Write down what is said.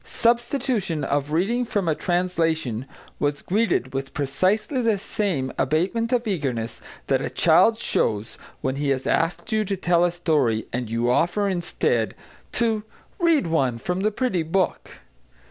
Substitution of reading from a translation was greeted with precisely the same abatement of eagerness that a child shows when he has asked you to tell a story, and you offer, instead, to "read one from the pretty book."